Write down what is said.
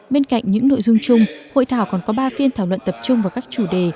bên cạnh những nội dung chung hội thảo còn có ba phiên thảo luận tập trung vào các chủ đề